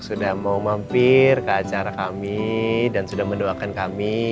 sudah mau mampir ke acara kami dan sudah mendoakan kami